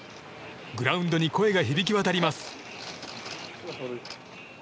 グラウンドに声が響き渡ります。